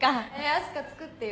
明日香作ってよ。